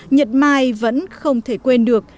nhật mai vẫn không thể quên được